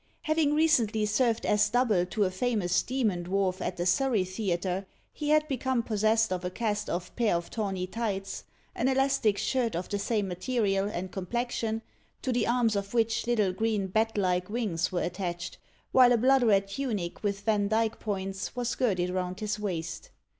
Having recently served as double to a famous demon dwarf at the Surrey Theatre, he had become possessed of a cast off pair of tawny tights, an elastic shirt of the same material and complexion, to the arms of which little green bat like wings were attached, while a blood red tunic with vandyke points was girded round his waist.